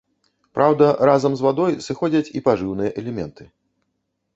Праўда, разам з вадой сыходзяць і пажыўныя элементы.